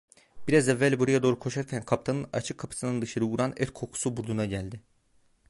Biraz evvel buraya doğru koşarken kaptanın açık kapısından dışarı vuran et kokusu burnuna geldi.